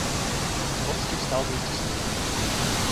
Вронский встал вместе с ним.